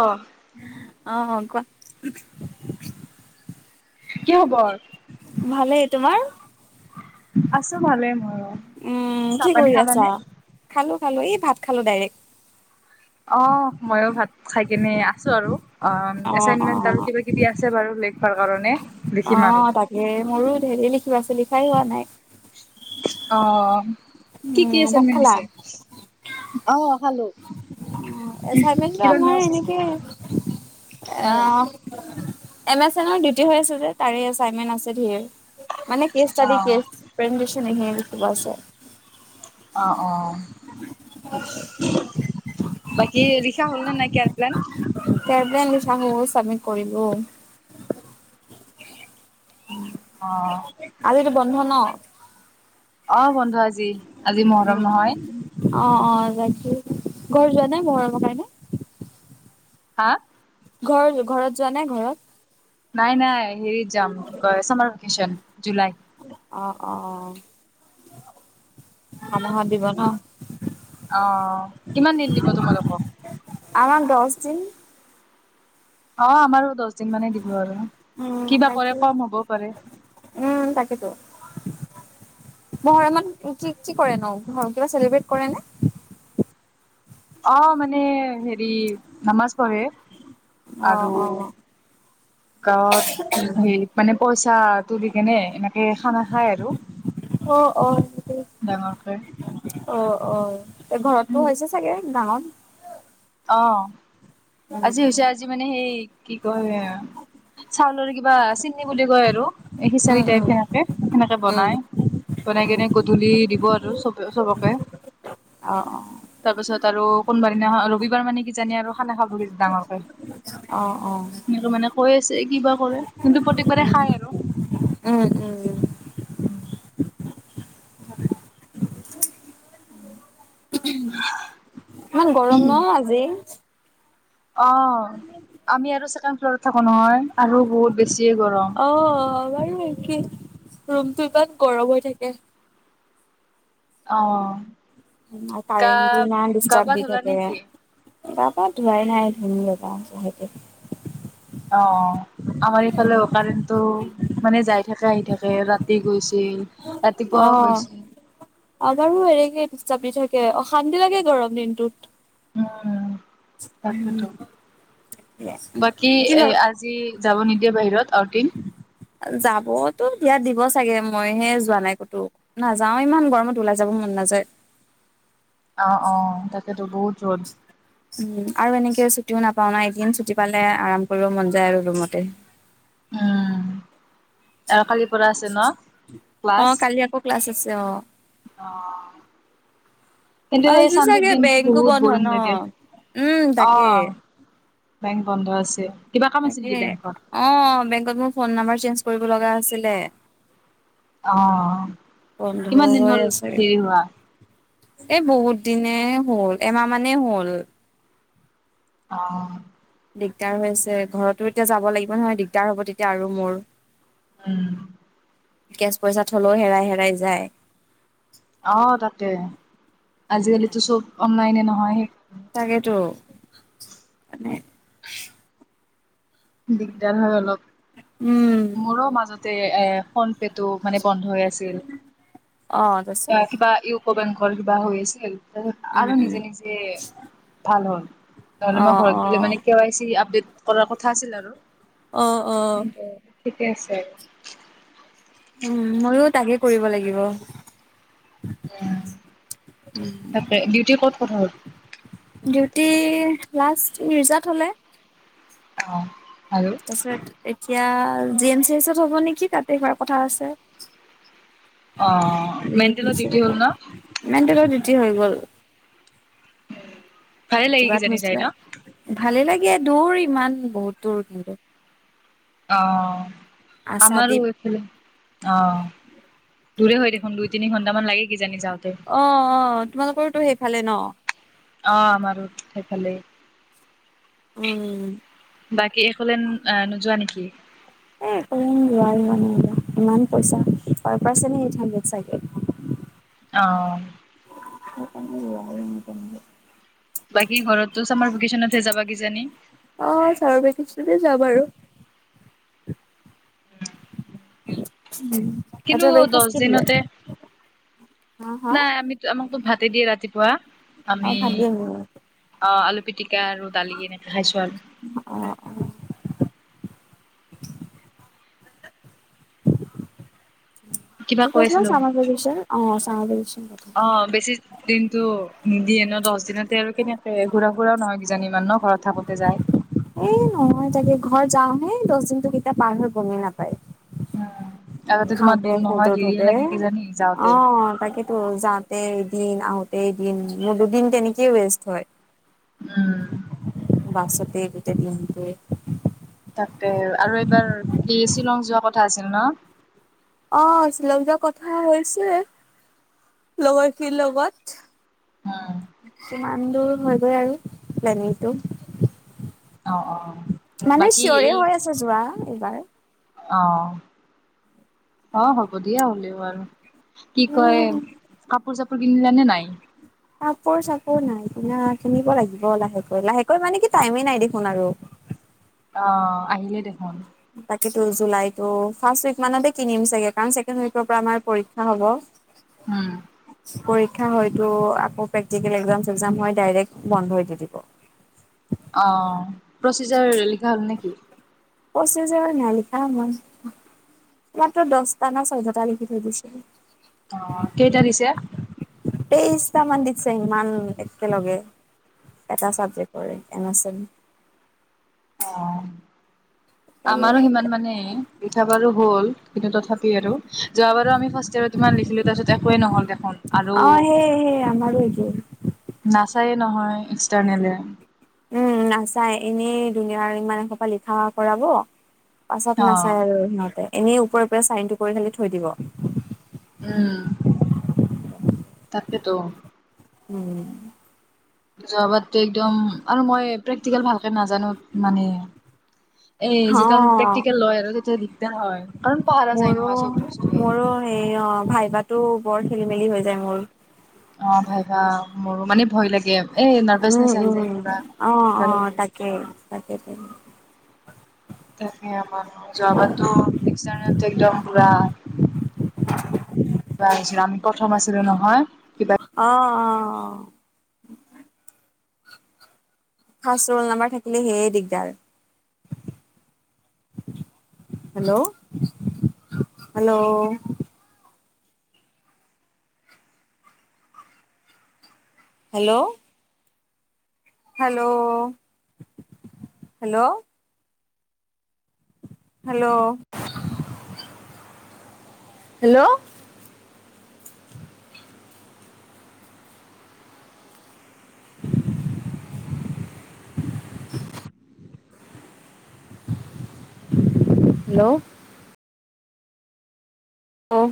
অ অ হ কোৱা কি খবৰ? ভালেই তোমাৰ আছো ভালে মইয়ো। উম কি চাহপানী কৰি আছা খালানে? খালো খালো এই ভাত খালো ডাইৰেক্ট অ মইও ভাত খাই কেনে আছো আৰু অ অ', এচাইনমেন্ট আৰু অ', কিবা কিবি আছে বাৰু লৃইক কাৰণে অ লিখিম আৰু। তাকে মোৰো ধেৰে লিখিব আছে লিখাই হোৱা নাই। অ কি কি উম, ভাত এছাইনমেণ্ট দিছে অ খালো এছাইনমেণ্টটো কিবা আমাৰ নোটছ আছে এনেকে অ উম। এম এছ এনৰ ডিউটি হৈ আছে যে তাৰেই এছাইনমেণ্ট আছে ধেৰ। মানে কেচ অ স্তাদি কেচ প্ৰেজেনডি ধেৰ লিখিব আছে। অঁ অঁ আছা বাকী লিখা হ'ল নে নাই কিয়া প্লেন [unintelligible] চাবমিট কৰিলোঁ। অ আজিতো বন্ধ ন অ বন্ধ আজি। আজি উ মহৰম নহয় অ অ ৰাখি ঘৰ যোৱা নাই মৰমৰ কাৰনে। হা। ঘৰ ঘৰত যোৱা নাই ঘৰত? নাই নাই হেৰিত যাম কি কয় চামাৰ ভেক্যন জুলাই। অ অ অহা মাহত দিব ন? আহ কিমান দিন দিব তোমাক আকৌ? আমাক দহ দিন। অ আমাৰো দহ দহ দিন মানে দিব আৰু উম কিবা কৰে তাকে কম হ'ব পাৰে। বৰা মান কি কি কৰে ন ঘৰ কিবা চেলিব্ৰেট কৰে নে? অ মানে হেৰি নামাজ পঢ়ে। অহ অহ। গাওঁত হেৰিত মানে পইচা তুলি কেনে এনেকে খানা খায় আৰু। অ। সেইটোৱে ডাঙৰকৈ। অ অ ঘৰতটো হৈছে চাগে গাঁৱত? অ উম আজি হৈছে আজি মানে সেই কি কয়- চাউলৰ কিবা চিনি বুলি কয় আৰু খিচিৰি উম টাইপ সেনেকে উম উম, বনাই। বনাই কিনি গধূলি দিব আৰু চবকে। অ তাৰ পিছত আৰু কোনো বা দিনাখন ৰবিবাৰ মানে কিজানি আৰু খানা খাব ডাঙৰকৈ। অ অ অ এনেকে মানে কৈ আছে কিবা কৰে কিন্তু প্ৰত্যেকবাৰে খায় আৰু। উম' ইমান গৰম ন'হ আজি? অ আমি আৰু ছেকেণ্ড ফ্লৰত থাকো নহয়। আৰু বহুত বেছিয়ে গৰম। অ আমাৰো একেই ৰুমটো তাত গৰম হৈ থাকে। অ। গা কাৰেণ্টটো নাই গা ডিছতাপ পা দি ধুলা থাকে। নেকি গা পা ধোৱাই নাই ধূম ৰবা লাহেকে। অ আমাৰ এইফালে কাৰেণ্টটো মানে যাই থাকে আহি থাকে ৰাতি গৈছিল। অ ৰাতিপুৱাও গৈছিল আমাৰো এনেকেই দিছে। জাপি থাকে অশান্তি লাগে গৰম দিনটোত। উম' তাকেই টো বাকী এ' আজি- যাব নিদিয়ে বাহিৰত। আউটিং যাব টো- ইয়াত দিব চাগে মই হে যোৱা নাই ক'তো নাযাওঁ ইমান গৰমত ওলাই যাব মন নাযায়। অ অ তাকেটো বহুত ৰ'দ। উম' আৰু এনেকে ছুটিও নাপাওঁ মানে। এদিন ছুটি পালে আৰাম কৰিব মন যায় আৰু ৰুমতে। উম' আৰু কালি লৈ- নটা পৰা আছে ন' ক্লাছ? অ', কালি আকৌ ক্লাছ আছে অ', কিন্তু সেই আজি চান্দে চাগে দিনতো বেংকো বহুত বন্ধ বৰিং ন? লাগে। উম' তাকে। অ', বেংক বন্ধ আছে। কিবা কাম আছে তাকে। নেকি বেংকত? অ বেংকত মোৰ ফোন নাম্বাৰ চেঞ্জ কৰিব লগা আছিলে। অ বন্ধ কিমান দিন হ'ল দেৰি হোৱা? এ' বহুত দিনে হ'ল এমাহ মানেই হ'ল। অঁ। দিগদাৰ হৈ আছে ঘৰতো এতিয়া যাব লাগিব নহয় দিগদাৰ হ'ব তেতিয়া আৰু মোৰ। উম'। কেচ পইচা থলেও হেৰাই হেৰাই যায়। অঁহ তাকে। আজি কালি টো চ'ব অনলাইনে নহয়। সেইকাৰণে। তাকেই তো। মানে- দিগদাৰ হয় অলপ। উম মোৰো মাজতে- ফোন পে টো মানে বন্ধ হৈ আছিল। অ তাৰপিছত কিবা- বেংকৰ কিবা হৈ আছিল। তাৰিছত উম আৰু উম নিজে, নিজে ভাল হ'ল। নহলে অ মই অ ঘৰত গ'লে কি হৈ আছে আপডেট কৰাৰ কথা আছিল আৰু। অঁহ অঁহ কিন্তু ঠিকে আছে আৰু। উম' মইও তাকে কৰিব লাগিব। উম' তাকে। দিউটিৰ ক'ত কথা হ'ল? ডিউটি লাষ্ট ৰিজাল্ট হলে। অ আৰু তাৰছিত এতিয়া। জি এম চি এচত হ'ব নেকি তাতে হোৱাৰ কথা আছে। অ মেণ্টেলৰ ডিউটি হ'ল ন ইমান তলৰ ডটি হৈ গ'ল ভালে লাগে কিজানি যাই কিবাৰিছিলে ন ভালে লাগে দূৰ ইমান বহুত দূৰ কিন্তু অ আমাৰো আশাদ্বীপ এইফালে অ। দূৰে হৈ দেখোন দুই তিনি ঘণ্টামান লাগে। কিজানি যাওঁতে অ অ তোমালোকৰটো সেইফালে ন। আমাৰো সেইফালেই। উম বাকী একলেন আহ নোযোৱা নেকি? এই নোৱাৰিম ইমান পইচা প প্চা। আহ। অ। বাকী ঘৰতো চামাৰ ভেকেচনতহে যাবা কিজানি আহ চামাৰ ভেকেচনতে যাম আৰু। কিন্তু আচ্ছা দহ বেদফাষ্ট কি দিলে। দিনতে হা হা নাই আমিতো আমাকতো ভাতে দিয়ে ৰাতিপুৱা। কোৱা অ আমি ভাত দিয়ে নেকি? অ আলু পিটিকা আৰু দালি নেখাছো আৰু। অ অ কিবা কি কৈ কৈছিলা আছিলো চামাৰভেকেচন অ চামাৰ ভেকেচন। কথা। অ বেছি। দিনটো নিদিয়ে ন দহ দিনতে আৰু কেনেকে ঘূৰা ফুৰাও নহয় কিজানি ইমান ন ঘৰত থাকোতে যায়। এ নহয় তাকে ঘৰ যাওঁহে, দহ দিনতো কেতিয়া পাৰ হৈ গমেই নাপায়। আগতে তোমাৰ খাওঁতে দূৰ খজ নহয় উ দেৰিয়ে ধোতে লাগে কিজানি অ যাওঁতে তাকে। ত যাওঁতে এদিন আহোতে এদিন মোথতে দুদিন তেনেকেই ৱেষ্ট হয়। উম! বাছতে গোটেই দিনটো। তাতে আৰু এইবাৰ কি শ্বিলং যোৱা কথা আছিল ন। অ শ্বিলং যোৱা কথা হৈছে লগৰখিনিৰ লগত। উম কিমান দূৰ হৈ গৈ আৰু প্লেনিংটো। অ অ মানে বাকী চিঞৰে এই হৈ আছে যোৱা এইবাৰ। অ অ হ'ব দিয়া হলেও আৰু। কি কয় উম কাপোৰ চাপোৰ কিনিলানে নাই। কাপোৰ চাপোৰ নাই কিনা কিনিব লাগিব লাহেকৈ লাহেকৈ মানে কি টাইমেই নাই দেখোন আৰু। অ আহিলে দেখোন। তাকো জুলাই টো ফাৰ্ষ্ট উইক মানতে কিনিম চাগে কাৰণ। পৰা আমাৰ পৰীক্ষা হব। উম হয়তো আকৌ প্ৰেক্টিকেল এক্সাম -চেক্সম হয় ডাইৰেক্ বন্ধ দি দিব। অ প্ৰচিজাৰ লিখা হ'ল নেকি? প্ৰচেজাৰ নাই লিখা মই। মাত্ৰ দহটা ন চৈধ্যটা লিখিত থৈ দিছিলো। আহ কেইটা দিছে। তেইশটা মান দিছে ইমান একেলগে। এটা চাবজেক্ট কৰে এন এল অ আমাৰো সিমান মানে লিখা বাৰু হ'ল। কিন্তু তথাপি আৰু যোৱাবাৰো আমি ফাৰ্ষতিয়েৰট ইমান লিখিলো তাৰপিছত একোৱে নহ'ল দেখোন আৰু। সেই আমাৰো এইটো। চায় নহয় এক্সটাৰ্নেলে। উম নাচাই এনেই দুুনীয়া ইমানসোপা লিখা কৰাব। পাছত অ নাচাই আৰু সিহঁতে এনেই ওপৰে ওপৰে চাইনটো কৰি মেলি থৈ দিব। উম। তাকে তো। উম। যোৱাবাতো একদম আৰু মই প্ৰেক্টিকেল ভালকে নাজানো মানে। এ, যেতিয়াান অ প্ৰেকটিকেল লয় আৰু তেতিয়া দিগদাৰ হয় কাৰণ পাহৰা যায় মোৰো, নহয় চব বস্তুৱে মোৰো সেই অ ভাইবটো বৰ খেলি-মেলি হৈ যায় মোৰ। অ ভাইভা মোৰো মানে ভয় লাগে। এই উম, নাৰ্ভাচনেচ আহি উম, যায় পুৰা অ, অ তাকে 'তাকেই তাকেই। তে মানহ যোৱাবাৰো এক্সাৰটো একদম পুৰা। কিবা হৈছিল আমি প্ৰথম আছিলো নহয় কিবা। অ, অ, অ। ফষ্ট ৰোল নাম্বাৰ থাকিলে সেয়ে দিগদাৰ। Hello, hello. Hello. Hello hello. Hello. Hello. Hello. অঁ।